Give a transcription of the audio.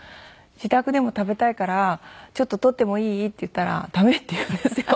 「自宅でも食べたいからちょっと採ってもいい？」って言ったら「駄目」って言うんですよ。